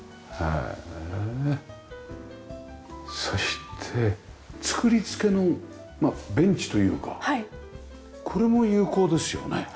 そして作り付けのベンチというかこれも有効ですよね。